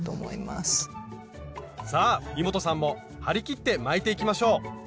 さあイモトさんも張り切って巻いていきましょう！